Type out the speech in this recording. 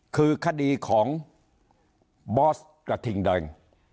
คือคดีของบอสกระทิงแดง